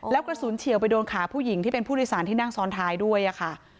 แล้วกระสุนเฉียวไปโดนขาผู้หญิงที่เป็นผู้โดยสารที่นั่งซ้อนท้ายด้วยค่ะ